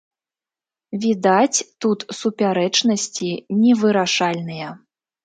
Відаць, тут супярэчнасці невырашальныя.